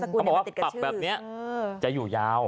เขาบอกว่าปรับแบบนี้จะอยู่ยาว